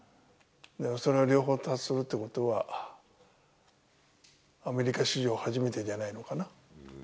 それは両方達するということは、アメリカ史上初めてじゃないのかな。